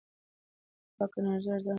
پاکه انرژي ارزان ده.